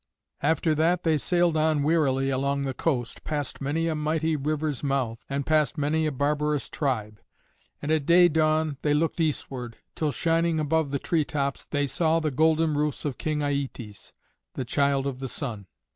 After that they sailed on wearily along the coast, past many a mighty river's mouth, and past many a barbarous tribe. And at day dawn they looked eastward, till, shining above the tree tops, they saw the golden roofs of King Aietes, the Child of the Sun.